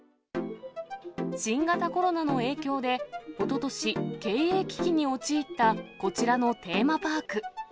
新型コロナの影響で、おととし、経営危機に陥ったこちらのテーマパーク。